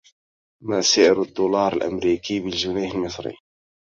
ما سعرالدّولارالأمريكيّ بالجنيه المصريّ؟